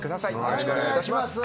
よろしくお願いします。